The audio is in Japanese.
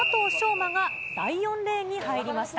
馬が第４レーンに入りました。